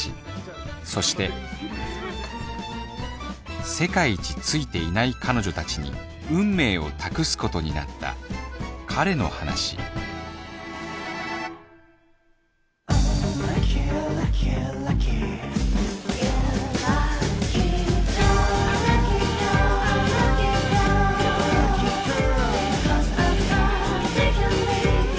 そして世界一ついていない彼女たちに運命を託すことになった彼の話はい。